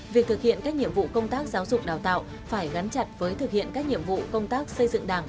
việc thực hiện các nhiệm vụ công tác giáo dục đào tạo phải gắn chặt với thực hiện các nhiệm vụ công tác xây dựng đảng